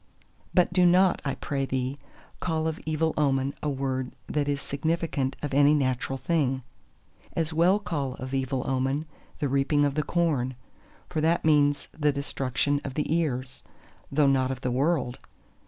... But do not, I pray thee, call of evil omen a word that is significant of any natural thing:—as well call of evil omen the reaping of the corn; for that means the destruction of the ears, though not of the World!